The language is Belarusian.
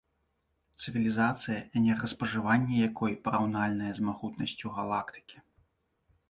Цывілізацыя, энергаспажыванне якой параўнальнае з магутнасцю галактыкі.